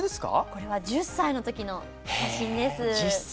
これは１０歳の時の写真です。